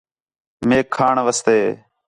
میک کھاݨ واسطے